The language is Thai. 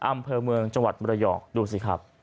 อำเภอเมืองจังหวัดมรยองดูสิครับ